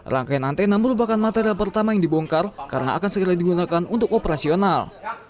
rangkaian antena merupakan material pertama yang dibongkar karena akan segera digunakan untuk operasional